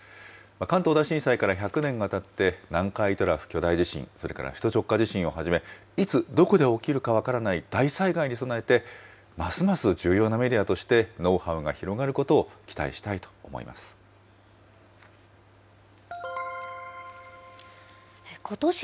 関東大震災から１００年がたって、南海トラフ巨大地震、それから首都直下地震をはじめ、いつどこで起きるか分からない大災害に備えて、ますます重要なメディアとして、ノウハウが広がることを期待ことし